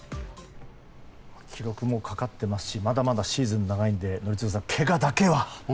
記録もかかってますしまだまだシーズン長いので宜嗣さん、けがだけは。